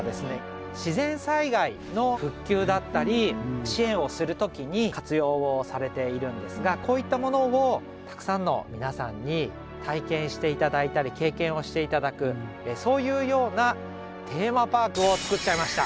自然災害の復旧だったり支援をする時に活用をされているんですがこういったものをたくさんの皆さんに体験して頂いたり経験をして頂くそういうようなテーマパークを作っちゃいました。